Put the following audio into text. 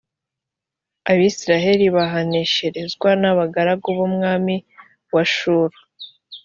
abisirayeli bahanesherezwa n abagaragu b’umwami wa shuru